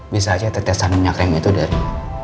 bisa aja tetesan minyak rem itu dari